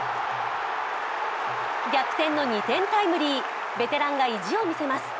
逆転の２点タイムリー、ベテランが意地を見せます。